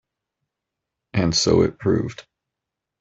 And so it proved.